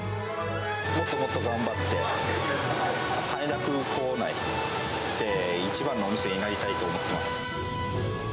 もっともっと頑張って、羽田空港内で一番のお店になりたいと思っています。